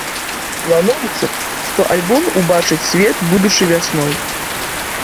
Плануецца, што альбом убачыць свет будучай вясной.